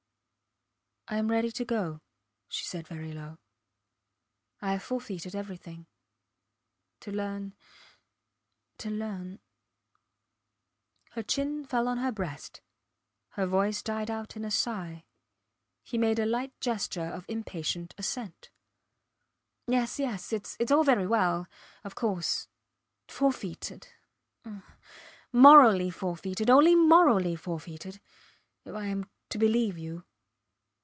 I am ready to go, she said very low. I have forfeited everything ... to learn ... to learn ... Her chin fell on her breast; her voice died out in a sigh. He made a slight gesture of impatient assent. Yes! Yes! Its all very well ... of course. Forfeited ah! Morally forfeited only morally forfeited ... if I am to believe you